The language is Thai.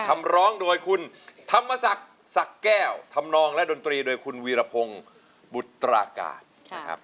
คำร้องโดยคุณธรรมศักดิ์ศักดิ์แก้วทำนองและดนตรีโดยคุณวีรพงศ์บุตราการนะครับ